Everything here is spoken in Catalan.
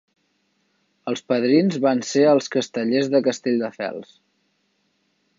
Els padrins van ser els Castellers de Castelldefels.